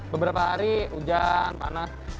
beberapa hari hujan panas